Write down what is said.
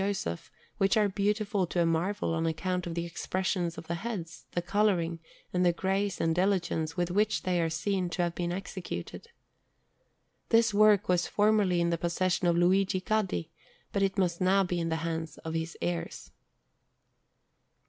Joseph, which are beautiful to a marvel on account of the expressions of the heads, the colouring, and the grace and diligence with which they are seen to have been executed. This work was formerly in the possession of Luigi Gaddi, and it must now be in the hands of his heirs.